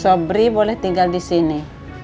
sobri boleh tinggal disini